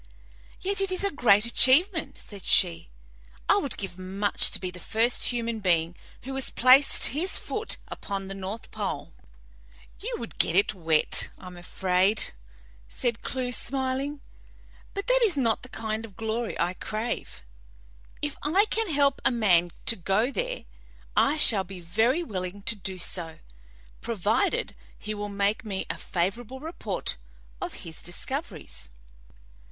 "Yet it is a great achievement," said she. "I would give much to be the first human being who has placed his foot upon the north pole." "You would get it wet, I am afraid," said Clewe, smiling; "but that is not the kind of glory I crave. If I can help a man to go there, I shall be very willing to do so, provided he will make me a favorable report of his discoveries."